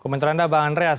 komentar anda bang andreas